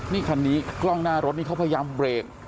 นี่คันนี้กล้องหน้ารถนี่เขาพยายามเบรก